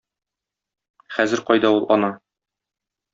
Хәзер кайда ул, ана?